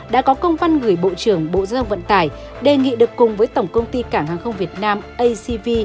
đã có công văn gửi bộ trưởng bộ giao thông vận tải đề nghị được cùng với tổng công ty cảng hàng không việt nam acv